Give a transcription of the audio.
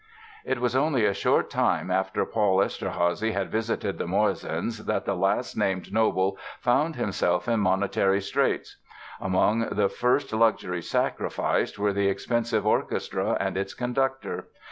It was only a short time after Paul Eszterházy had visited the Morzins that the last named noble found himself in monetary straits. Among the first luxuries sacrificed were the expensive orchestra and its conductor.